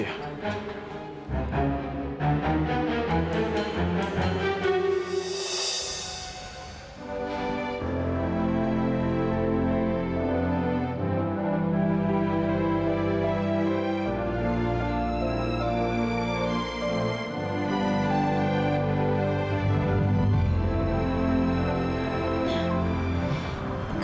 itu aku tahu